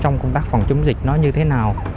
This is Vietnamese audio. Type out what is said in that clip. trong công tác phòng chống dịch nó như thế nào